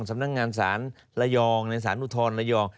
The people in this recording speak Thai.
การสำนักงานสารละยองในสารอุทรไทย